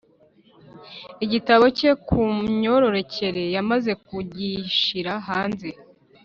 igitabo cye ku myororokere yamaze kugishira hanze